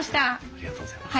ありがとうございます。